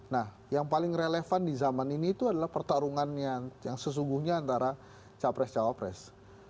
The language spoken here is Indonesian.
nah yang paling relevan di zaman ini itu adalah pertarungan yang sesungguhnya antara capres cawapres